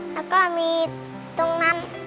แล้วก็มีตรงนั้น